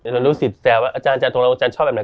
รู้สึกแต่ว่าอาจารย์จันตงรวงจันทร์ชอบแบบไหน